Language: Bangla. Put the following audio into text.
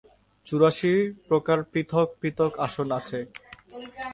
চুরাশি প্রকার পৃথক পৃথক আসন আছে।